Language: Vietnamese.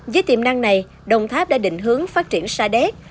với tiềm năng này đồng tháp đã định hướng phát triển sa đéc